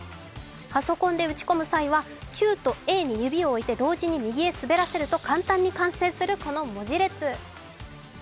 パソコンで打ち込む際は「Ｑ」と「Ａ」に指を置いて、横に滑らせると簡単に完成するこの文字列。